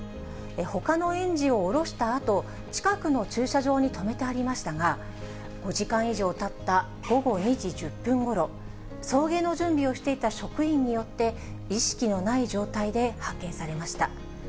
ほかの園児を降ろしたあと、近くの駐車場に止めてありましたが、５時間以上たった午後２時１０分ごろ、送迎の準備をしていた職員によって、意識のない状態で発見されました。